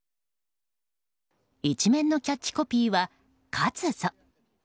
１面のキャッチコピーは「勝つぞ！」